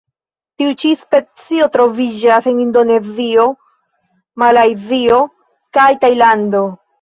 Tiu ĉi specio troviĝas en Indonezio, Malajzio kaj Tajlando.